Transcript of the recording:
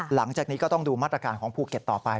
หลังจากนี้ก็ต้องดูมาตรการของภูเก็ตต่อไป